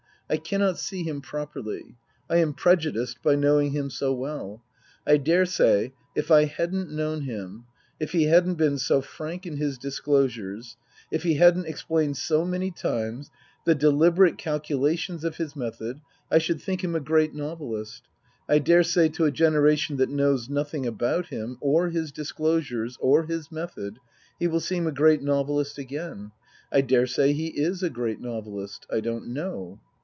I cannot see him properly. I am prejudiced by knowing him so well. I daresay if I hadn't known him, if he hadn't been so frank in his disclosures, if he hadn't explained so many times the deliberate calculations of his method, I should think him a great novelist. I daresay to a generation that knows nothing about him or his disclosures or his method he will seem a great novelist again. I daresay he is a great novelist. I don't know.